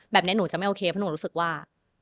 แบบนี้หนูจะไม่โอเคเพราะหนูรู้สึกว่า